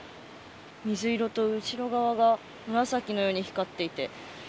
水色と、後ろ側が紫のように光っていて。